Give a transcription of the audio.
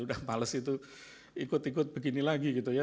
udah pales itu ikut ikut begini lagi gitu ya